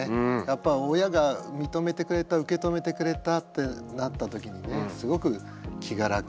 やっぱ親が認めてくれた受け止めてくれたってなった時にねすごく気が楽になってね。